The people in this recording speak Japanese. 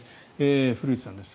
古内さんです。